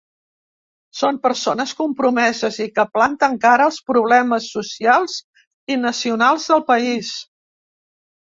Són persones compromeses i que planten cara als problemes socials i nacionals del país.